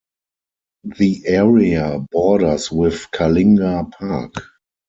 The area borders with Kalinga Park.